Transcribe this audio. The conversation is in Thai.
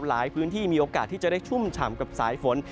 หลายพื้นที่มีโอกาสที่จะได้ชุ่มฉ่ำกับสายฝน